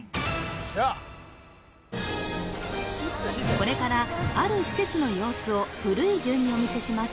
これからある施設の様子を古い順にお見せします